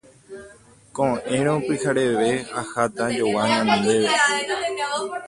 Ko'ẽrõ pyhareve aháta ajogua ñandéve.